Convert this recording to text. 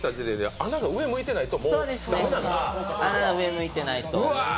穴が上向いてないと。